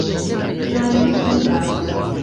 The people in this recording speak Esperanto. ĵaluza